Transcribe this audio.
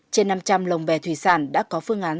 trên năm trăm linh lồng bè thủy sản đã có phương án